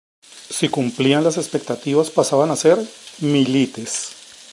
Si cumplían las expectativas, pasaban a ser "milites".